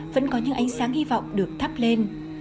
vẫn có những ánh sáng hy vọng được thắp lên